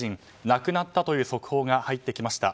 亡くなったという速報が入ってきました。